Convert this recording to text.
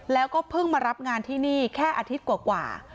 แล้วก็เพิ่งมารับงานที่นี่แค่อาทิตย์กว่า